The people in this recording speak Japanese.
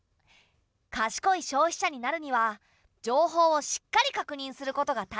かしこい消費者になるには情報をしっかり確認することがたいせつだぞ。